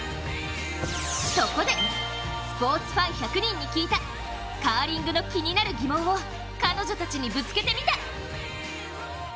そこで、スポーツファン１００人聞いた、カーリングの気になる疑問を彼女たちにぶつけてみた。